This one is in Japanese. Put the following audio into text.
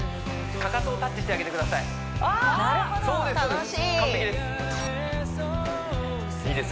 かかとをタッチしてあげてくださいそうです